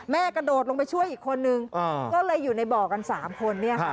กระโดดลงไปช่วยอีกคนนึงก็เลยอยู่ในบ่อกัน๓คน